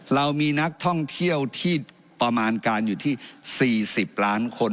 เรามีนักท่องเที่ยวที่ประมาณการอยู่ที่๔๐ล้านคน